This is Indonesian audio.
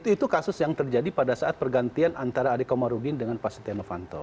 itu kasus yang terjadi pada saat pergantian antara adek komarudin dengan pak setihan ovanto